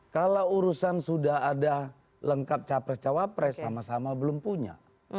kalau urusan sudah ada lengkap capres cawapres sama sama belum punya